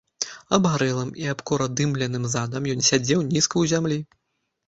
Абгарэлым і абкуродымленым задам ён сядзеў нізка ў зямлі.